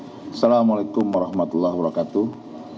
assalamu alaikum warahmatullahi wabarakatuh